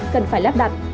cần phải lắp đặt